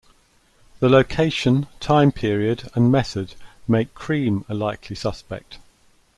The location, time period, and method make Cream a likely suspect.